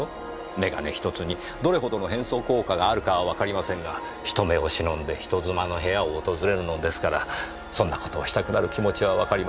眼鏡１つにどれほどの変装効果があるかはわかりませんが人目を忍んで人妻の部屋を訪れるのですからそんな事をしたくなる気持ちはわかります。